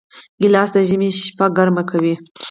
ګیلاس د ژمي شپه ګرمه کوي.